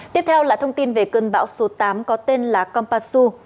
tiếp theo là thông tin về cơn bão số tám có tên là kompasu